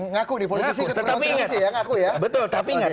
ngaku di politisi keturunan tetapi ingat